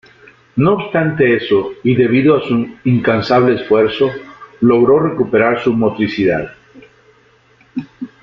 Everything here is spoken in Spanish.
No obstante eso, y debido a su incansable esfuerzo, logró recuperar su motricidad.